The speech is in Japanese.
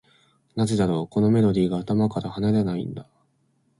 なぜだろう、このメロディーが頭から離れないんだ。